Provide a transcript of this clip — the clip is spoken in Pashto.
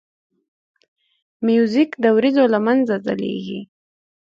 موزیک د وریځو له منځه ځلیږي.